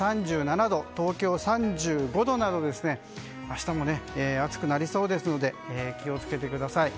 明日も暑くなりそうですので気を付けてください。